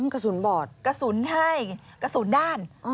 กระสุนบอดกระสุนให้กระสุนด้าน